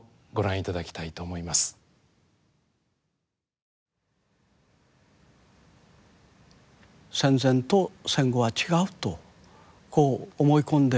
戦前と戦後は違うとこう思い込んでいると思います。